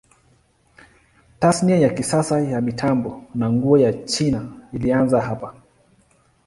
Tasnia ya kisasa ya mitambo na nguo ya China ilianza hapa.